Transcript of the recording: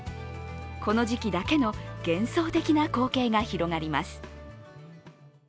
この時期だけの幻想的な光景が広がります。